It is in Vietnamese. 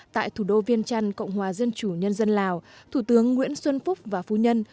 tại thủ đô viên trăn cộng hòa dân chủ nhân dân lào thủ tướng nguyễn xuân phúc và phu nhân